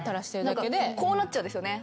こうなっちゃうんですよね